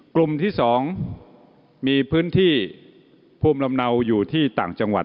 กลุ่มที่๒มีพื้นที่ภูมิลำเนาอยู่ที่ต่างจังหวัด